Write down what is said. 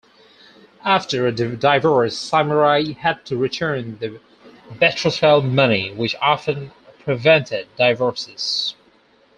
After a divorce samurai had to return the betrothal money, which often prevented divorces.